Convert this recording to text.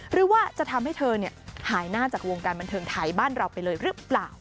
หรือว่าจะทำให้เธอหายหน้าจากวงการบันเทิงไทยบ้านเราไปเลยหรือเปล่า